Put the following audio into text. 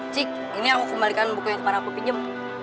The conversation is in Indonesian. cik ini aku kembalikan buku yang kemarin aku pinjam